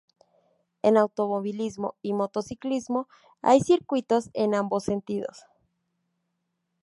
En automovilismo y motociclismo hay circuitos en ambos sentidos.